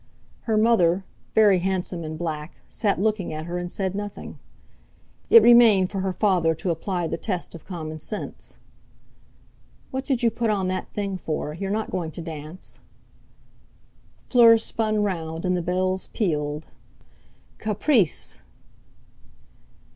Her mother, very handsome in black, sat looking at her, and said nothing. It remained for her father to apply the test of common sense. "What did you put on that thing for? You're not going to dance." Fleur spun round, and the bells pealed. "Caprice!"